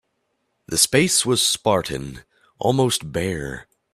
The space was spartan, almost bare.